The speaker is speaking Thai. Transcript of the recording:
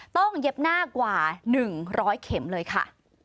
เย็บหน้ากว่า๑๐๐เข็มเลยค่ะ